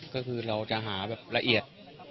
ก็คือเราจะหาแบบละเอียด